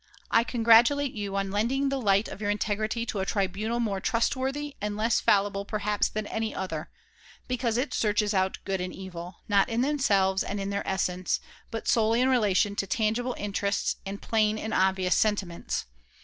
I congratulate you on lending the light of your integrity to a tribunal more trustworthy and less fallible perhaps than any other, because it searches out good and evil, not in themselves and in their essence, but solely in relation to tangible interests and plain and obvious sentiments.